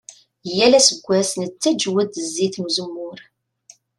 Yal aseggas nettaǧǧew-d zzit n uzemmur.